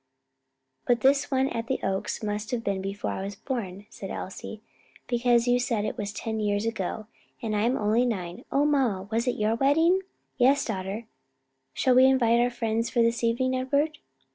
"But this one at the Oaks must have been before I was born," said Elsie, "because you said it was ten years ago, and I'm only nine. O, mamma, was it your wedding?" "Yes, daughter. Shall we invite our friends for this evening, Edward?"